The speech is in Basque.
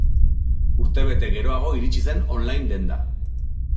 Urte bete geroago iritsi zen on-line denda.